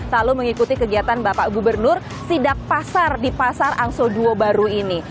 selalu mengikuti kegiatan bapak gubernur sidak pasar di pasar angso dua baru ini